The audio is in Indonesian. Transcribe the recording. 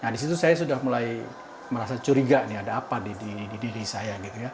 di situ saya sudah mulai merasa curiga ada apa di diri saya